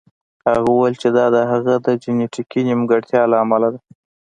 هغه وویل چې دا د هغه د جینیتیکي نیمګړتیا له امله ده